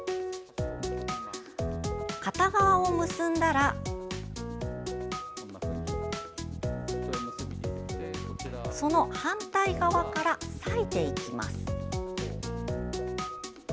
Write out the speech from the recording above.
片側を結んだらその反対側から裂いていきます。